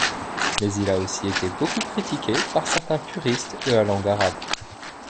Mais il a aussi été beaucoup critiqué par certains puristes de la langue arabe.